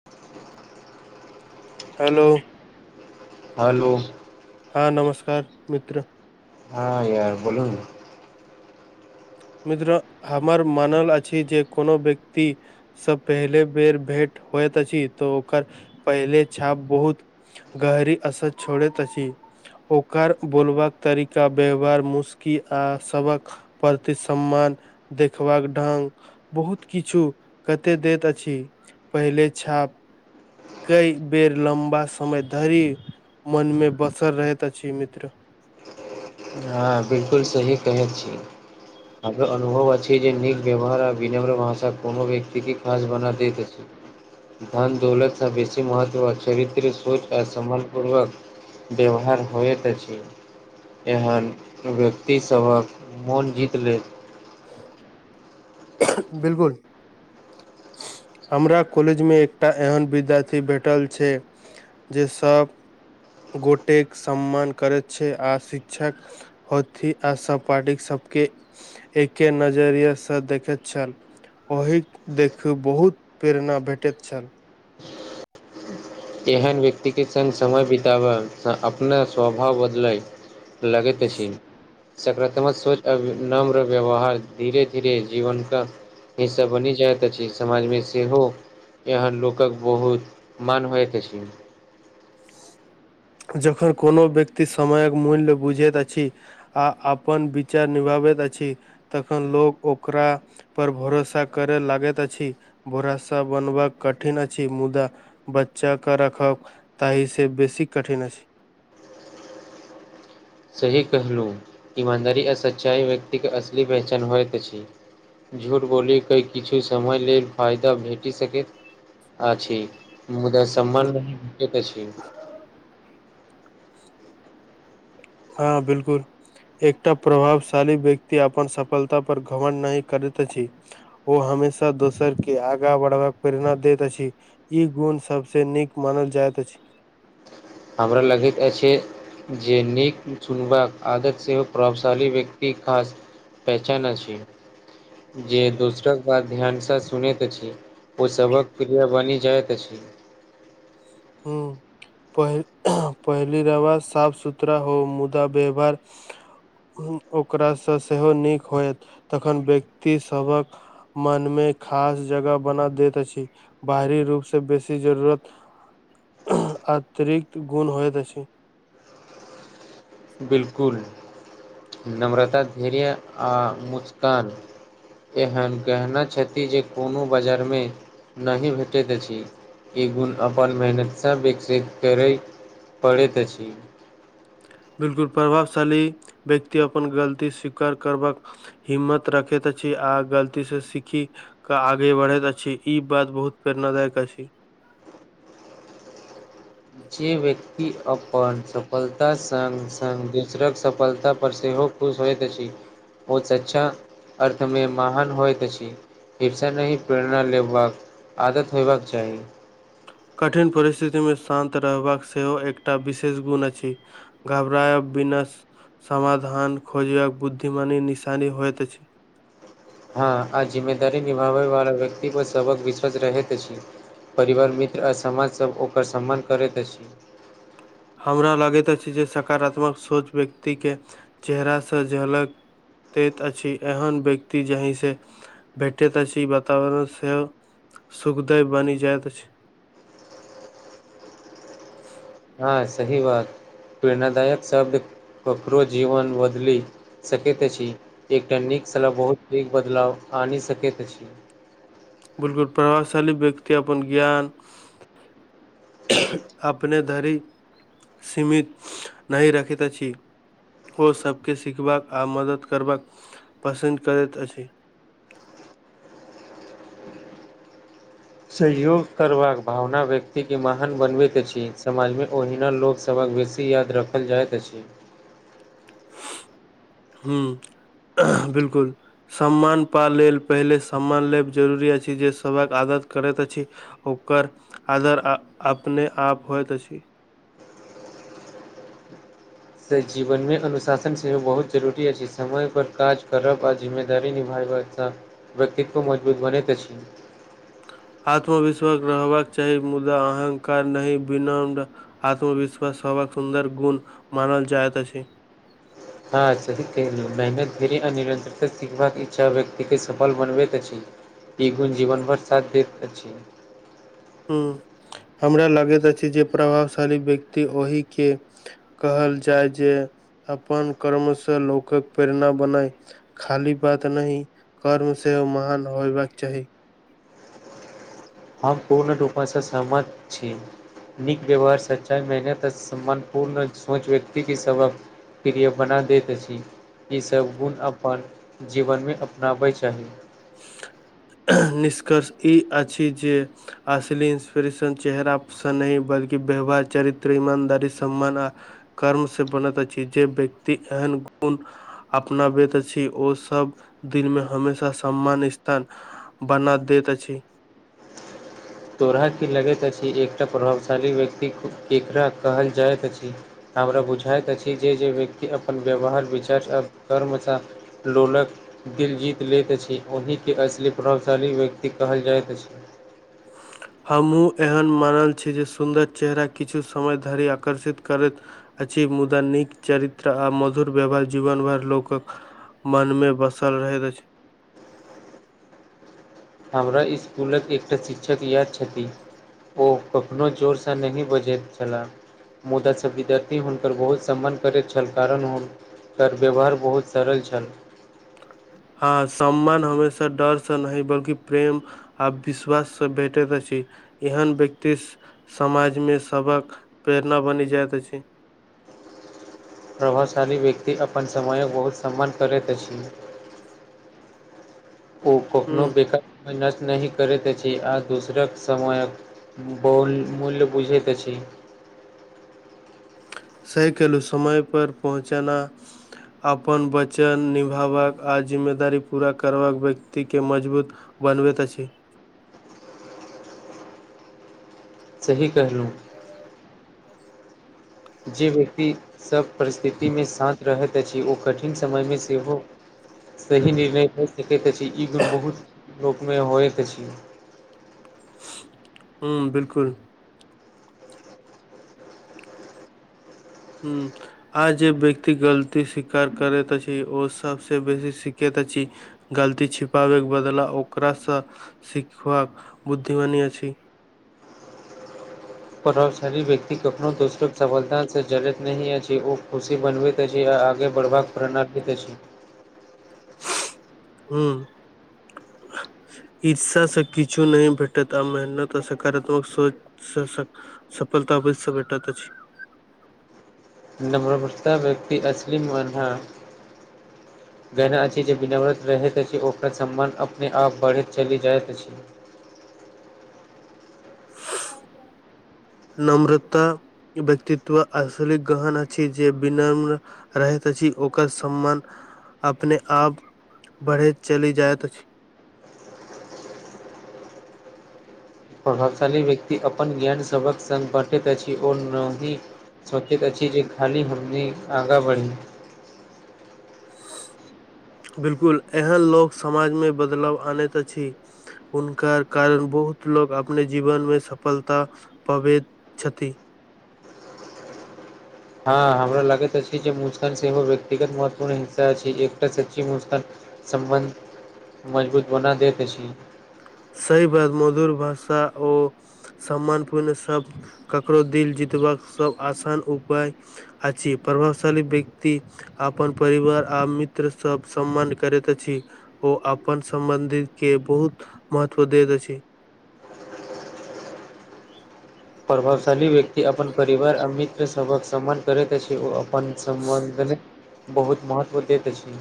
[inaudible] Hello hello हँ नमस्कार मित्र हँ यार बोलू नऽ मित्र हमर मानल अछि जे कोनो व्यक्ति सँ पहिले बेर भेंट होइत अछि तऽ ओकर पहिले छाप बहुत गहरी असर छोरैत अछि ओकर बोलबाक तरीका व्यवहार मुशकी आ सबक प्रति सम्मान देखबाक ढंग बहुत किछु कते दैत अछि पहिले छाप कई बेर लम्बा समय धरि मन मे बसल रहैत अछि मित्र हँ बिलकुल सही कहैत छी हमर अनुभव अछि जे नीक व्यवहार आ विनम्र भाषा कोनो व्यक्ति केँ खास बना देत धान दौलत सँ बेसी महत्व चरित्र सोच आ समान पूर्वक व्यवहार होइत अछि एहन व्यक्ति सभक मोन जीत लै [inaudible] बिलकुल हमरा कॉलेजमे एकटा एहन विद्यार्थी भेटल छै। जे सब गोटेक सम्मान करैत छै आ शिक्षक होथि आ सपाटिक सब केँ एके नजरिया सँ देखैत छल ओहि देखू बहुत प्रेरणा भेटैत छल एहन व्यक्ति केँ संग समय बिताबल अपना स्वभाव बदलय लगैत अछि सकारात्मक सोच आ विनम्र व्यवहार धीरे - धीरे जीवन कऽ हिसा बनि जाइत अछि समाजमे सेहो एहन लोकक बहुत मान होइत अछि जखन कोनो व्यक्ति समयक मूल्य बुझैत अछि आ अपन विचार निभाबैत अछि तखन लोक ओकरा पर भरोसा करैय लागैत अछि भरसा बनब कठिन अछि। मुदा बच्चा कऽ रखब ताहि से बेसी कठिन अछि सही कहलहुँ ईमानदारी आ सच्चाइ व्यक्ति कऽ असली पेहचान होइत अछि झूठ बोली कऽ किछु समय लेल फायदा भेटि सकैत आछि मुदा सम्मान नहि भेटैत अछि हँ बिलकुल एकटा प्रभावशाली व्यक्ति अपन सफलता पर घमंड नहि करैत अछि ओ हमेशा दोसर के आगा बढ़बाक प्रेरणा दैत अछि ई गुण सबसे नीक मानल जाइत अछि हमरा लगैत अछि जे नीक सुुनबाक आदत सेहो प्रभावशाली व्यक्ति पास पहचान अछि जे दोसर बात ध्यानस सुनैत अछि ओ सभक प् प्रिया बनि जाइत अछि हूँम्मऽ प पहिली रावा साफ सुथरा हो मुदा व्यवहार ओकरासँ सेहो नीक होयत तखन व्यक्ति सब हक मन मे खास जगह बना दैत अछि बाहरी रूप से बेसी जरूरत अतिरिक्त गुण होयत अछि बिलकुल नम्रता धर्या आ मुस्कान एहन कहने छथि जे कोनो बजारमे नहि भेटैत अछि इ गुण अपन मेहनत सऽ विकसीकरै पड़ैत अछि बिलकुल प्रभावशाली व्यक्ति अपन गलती स्वीकार करबाक हिम्मत रखैत अछि आ गलती स सीखी क आगे बढ़ैत अछि ई बात बहुत प्रेरणादायक अछि जे व्यक्ति अपन सफलता संग संग दोसरक सफलता पर सेहो खुश होइत अछि ओ सच्चा अर्थमे महान होइत अछि फिर स नहि प्रेरणा लेबाक आदत होेबाक चाही कठिन परिस्थितिमे शान्त रहबाक सेहो एकटा विशेष गुण अछि घबरायब बिना समाधान खोज यब बुद्धिमानी निशानी होइत अछि। हँ आ जिम्मेदारी निभाबै वाला व्यक्ति पर सबक विश्वास रहैत अछि परिवार मित्र आ समाजसभ ओकर सम्मान करैत अछि हमरा लगेतअछि जे सकारात्मक सोच व्यक्ति के चेहरा स झलक दैत अछि एहन व्यक्ति जाहि सँ भेटैत अछि वातावरण सेहो सुख देवबनि जाइत अछि हासही बात प्रेरणादायक शब्द ककरो जीवन बदलि सकैत अछि एकटा नीक सलाह बहुत नीक बदलाव आनि सकैत अछि बिलकुल प्रभावशाली व्यक्ति अपन ज्ञान अपने धरि सीमित नहि रखेत अछि ओ सबके सीखबाक आ मदद करबाक पसन्द करैत अछि सहयोग करबाक भावना व्यक्तिके महान बनबैत अछि समाजमे ओहिना लोकसभ सब हकबेसी याद राखल जाइत अछि हुम्म बिलकुल सम्मान पा लेल पहिले सम्मान लेब जरूरी अछि जैय सभक आदत करैत अछि ओकर आदर अपने आप होय त अछि से जीवन मे अनुशासन सेहो बहुत जरूरी अछि समय पर काज करब आऽ जिम्मेदारी निभैयवा सँव्यक्तित्व मजबूत बनैत अछि। आत्मविश्वास रहबाक चाही मुदा अहंकार नहि विनम्र आत्मविश्वास हव सुन्दर गुण मानल जायत अछि हँ सही कहेलु मेहनत भरी आ निरतरता सिखवा के इच्छा व्यक्त के सफल बनबैत अछि ई गुण जीवन भर साथ दैत अछी ह हमरा लगैत अछि जे प्रभावशाली व्यक्ति ओहि के कहल जाय जे अपन कर्मसँ लोकक प्रेरणा बनाय खाली बात नहिही कर्म सेहो महान होयबाक चाही। हम पूर्ण रूपणसँ सहमत छी। नीक व्यवहार सच्चाइ मेहनत सम्मान पूर्ण सोच व्यक्ति के सब प्रिय बना दैत अछि ईसभ गुण अपन जीवनमे अपनाबय चाही। निष्कर्ष ई आ छी जे असिली इंस्पिरेशन चेहरा नहि बलकी व्यवहार चरित्र ईमानदारी सम्मान आ कर्म से बनत चीज जे व्यक्त एहन गुण अपनाबैत छी ओ सब दिलमे हमेशा सम्मान स्थान बना दैत अछि। तोराा की लगैत अछि एकटा प्रभावशाली व्यक्ति केकरा कहल जाइत अछि हमरा बुझाइत अछि जे जे व्यक्ति अपन व्यवहार विचार आ कर्मसँ लोलक दिल जीत लैत अछि ओहिके असली प्रभावशाली व्यक्ति कहल जाइत अछि। हमहूँ एहन मानल छी जे सुन्दर चेहरा किछु समय धरि आकर्षित करैत अछि मुदा नीक चरित्र आ मधुर व्यवहार जीवन भर लोकक मन मे बसल रहैत अछि। हमरा इसकुलक एकटा शिक्षक यएाद छथि ओ कखनो जोरसँ नहि बजैत छललाह मुदासँ विद्यार्थी हुनकर बहुत सम्मान करैत छल कारण एकर व्यवहार बहुत सरल छल हँ सम्मान हमेशा डरसँ नहिी बल्कि प्रेम आ विश्वाससँ भेटैत अछि एहन व्यक्ति- समाज मे सबक प्रेरणा बनि जाइत अछि प्रभावशाली व्यक्ति अपन समयक बहुत सम्मान करैत अछि [inaudible] ओ कखनो हूँ बेकार सम नष् न करे छी आ दूसरक समयक बोल मूल्य बुझैतके अछी। सैकिलो समयपर पहुँचनाा अपन वचन निभबाक आ जिम्मेदारी पूरा करबाक व्यक्तिके मजबूत बनबेत अछै। सही कहलहुँ। जे व्यक्ति सभ परिस्थितिमे शान्त रहैत अछि ओ कठिन समयमे सेहो सही निर्णय क सकैत अछि ई गुण बहुत लोकमे। होइत अछि हु बिलकुल। हू। आइ जे व्यक्ति गलती स्वीकार करैत अछि ओ सभसँ बेसी सीखैत अछि गलती छिपाबैके बदला ओकरासँ सिखबाक बुद्धिमानी अछि। प्रभावशाली व्यक्ति कखनो दोसरोक सफलत से जड़ैत नहि अछि ओ खुशी बनबैत आ आगे बढ़बाक प्रेरणा दे छी। हु ईर्षा से किछु नहि भेटत आ मेहनत आ सकारात्मक सोच सबस सफलता बस भेटत अछि नमरवर्तता व्यक्ति असलीमे आधा [inaudible] जेना अछि जे विनम्र रहैत अछि ओकर सम्मान अपने आप बढ़ैत चलि जाइत अछि नम्रता व्यक्तित्व असलि ग्रहण अछि छै जे विनम्र रहैत अछि ओकर सम्मान अपने आप बढ़ैत चलि जाइत अछि प्रभावशाली व्यक्ति अपन ज्ञान सबहक सङ्ग बाँटैत अछि ओनाहीं सोचैत अछि जे खाली हमनी आगाँ बढि बिल्कुल एहन लोक समाजमे बदलाव आनैत अछि हुनकर कारण बहुत लोग अपने जीवनमे सफलता पबैत छथि हाॅं हमरा लगैत अछि जे मुस्कान से व्यक्तिगत महत्वपूर्ण हिस्सा छै एकटा सच्ची मुस्कान सम्बन्ध मजबूत बना देएत अछि सही बात मधुर भाषा ओ सम्मान पूर्ण सब ककरो दिल जीतबाक सब आसान उपाय अछि प्रभावशाली व्यक्ति आ अपन परिवार आ मित्र सब सम्मान करैत अछि ओ अपन सम्बन्धिके बहुत महत्व दैत अछि प्रभावशाली व्यक्ति अपन परिवार आ मित्र सभक सम्मान करैत अछि ओ अपन सम्बन्धिक बहुत महत्व दैत अछि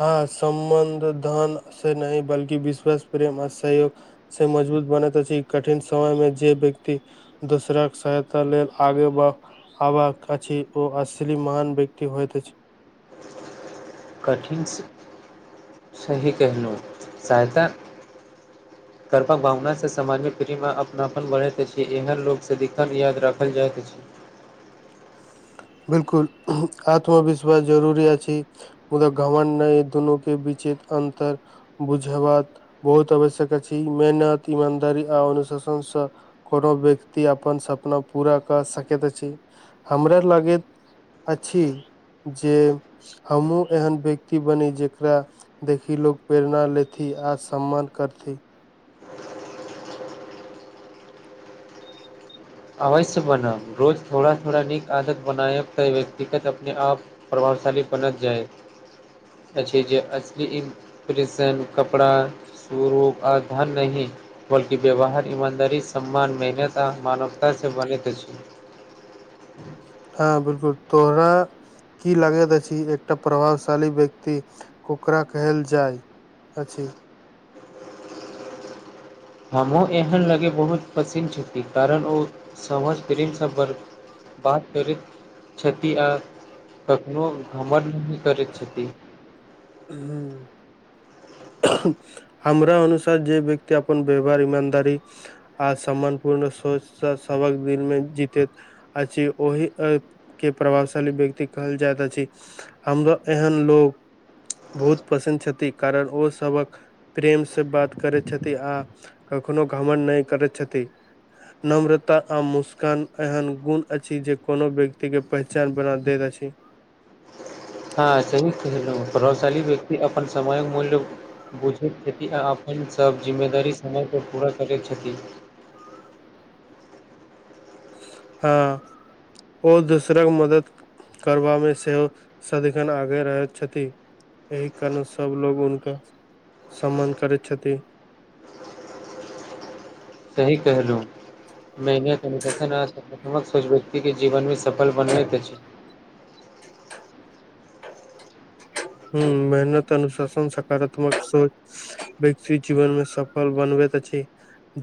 हाॅं सम्बन्ध धनसे नहि बल्कि विश्वास प्रेम आ सहयोग से मजबूत बनैत अछि कठिन समयमे जे व्यक्ति दोसराके सहायता लेब आगे ब- -ढ़बा अछि ओ अश्ली महान व्यक्ति होइत अछि कठिनसे सही कहलहुँ सहायता [inaudible] करता भावनासे समाजमे प्रेम अपनापन बढ़ैत अछि एहन लोक सदिखन याद राखल जाइत अछि बिल्कुल आत्मविश्वास जरूरी अछि मुदा घमंड नहि दुनूके बीचित अन्तर बुझबात बहुत आवश्यक अछि मेहनत ईमानदारी आ अनुशासनस कोनो व्यक्ति अपन सपना पूरा कऽ सकैत अछि हमरा लागैत अछि जे हमहूँ एहन व्यक्ति बनी जेकरा देखी लोक प्रेरणा लेथि आ सम्मान करथि अवश्य बनब रोज थोड़ा-थोड़ा नीक आदत बनायब तऽ व्यक्तिगत अपने आप प्रभावशाली बनत जाइत अछि जे असली ई प्रिशन कपड़ा स्वरूप आ धन नहि बल्कि व्यवहार ईमानदारी सम्मान मेहनत आ मानवता सऽ बनैत अछि। हाॅं बिल्कुल तोहरा की लागैत अछि एकटा प्रभावशाली व्यक्ति ओकरा कहल जाइ अछि हमहूँ एहन लगै बहुत पसिन्न छै कि कारण ओ समझ प्रेमसभ बड़ बात करैत छथि आ कखनो घमण्ड नहि करैत छथि हूॅं हमरा अनुसार जे व्यक्ति अपन व्यवहार ईमानदारी आ सम्मान पूर्ण सोचसॅं सबक दिलमे जीतैत अछि ओहि ए-के प्रभावशाली व्यक्ति कहल जायत अछि हमरो एहन लोग बहुत पसिन छथि कारण ओ। सबक प्रेम से बात करै छथि आ कखनो घमन नय करैत छथि। नम्रता आ मुस्कान एहन गुण अछि जे कोनो व्यक्तिके पहचान बना दैत अछि। हाॅं सही केहलौं प्रभावशाली व्यक्ति अपन समय मूल्य। बुझैत छथि आ अपन सभ जिम्मेदारी समय पर पूरा करैत छथि। हाॅं ओ दूसराक मदद। करबा मे सेहो सदिखन आगे रहैत छथि एहि कारण सभ लोग हुनका सम्मान करैत छथि सही कहलू मैने कनिकशन साकारात्मक सोच व्यक्ति के जीवन मे से सफल बनबैत अछि [inaudible] हूॅं मेहनत अनुशासन सकारात्मक सोच। व्यक्ति जीवन मे सफल बनबैत अछि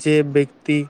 जे व्यक्ति।